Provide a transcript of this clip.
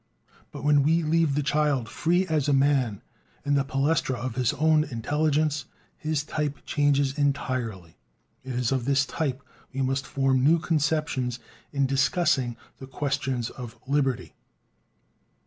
But when we leave the child "free as a man" in the palestra of his own intelligence, his type changes entirely. It is of this type we must form new conceptions in discussing the question of "liberty."